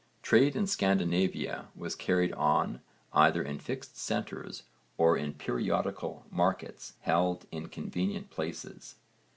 Trade in Scandinavia was carried on either in fixed centres or in periodical markets held in convenient places.